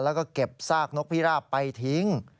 แล้วก็เก็บซากนกพิราบไปทิ้ง